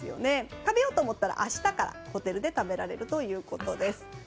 食べようと思ったら明日からホテルで食べられるそうです。